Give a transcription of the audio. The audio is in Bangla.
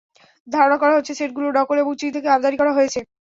ধারণা করা হচ্ছে, সেটগুলো নকল এবং চীন থেকে আমদানি করা হয়েছে।